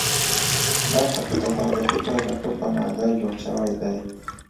دلته په تصادفي توګه ښه پناه ځای جوړ شوی دی